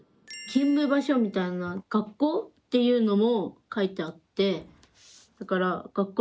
勤務場所みたいな学校っていうのも書いてあって。